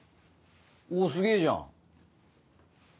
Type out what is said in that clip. おぉすげぇじゃん。